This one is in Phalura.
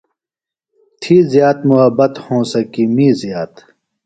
تھی زِیات محبت ہونسہ کی می زیات۔